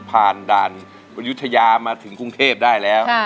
ผ่านด่านอายุทยามาถึงกรุงเทพได้แล้ว